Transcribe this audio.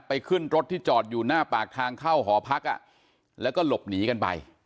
ขึ้นรถที่จอดอยู่หน้าปากทางเข้าหอพักแล้วก็หลบหนีกันไป